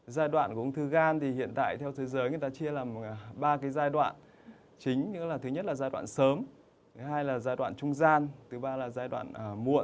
giai đoạn của ung thư gan thì hiện tại theo thế giới người ta chia làm ba cái giai đoạn chính nghĩa là thứ nhất là giai đoạn sớm thứ hai là giai đoạn trung gian thứ ba là giai đoạn muộn